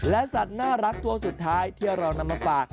และสัตว์น่ารักตัวสุดท้ายที่เรานำมาฝาก